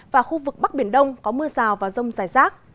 và khu vực bắc biển đông có mưa rào và rông dài rác